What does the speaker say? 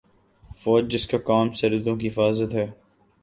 فوج جس کا کام سرحدوں کی حفاظت ہے